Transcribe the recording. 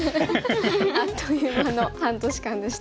あっという間の半年間でした。